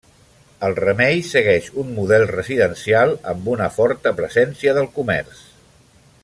El Remei segueix un model residencial amb una forta presència del comerç.